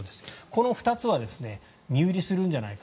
この２つは身売りするんじゃないか